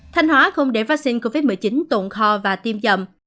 thanh hóa không để vắc xin covid một mươi chín tụng kho và tiêm dầm